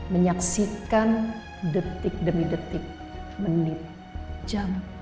menyaksikan detik demi detik menit jam